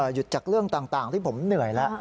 หยุดจากเรื่องต่างที่ผมเหนื่อยแล้ว